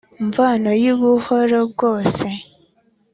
mvano yu buhoro bwose